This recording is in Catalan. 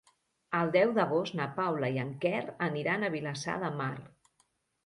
El deu d'agost na Paula i en Quer aniran a Vilassar de Mar.